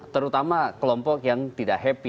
terutama kelompok yang tidak happy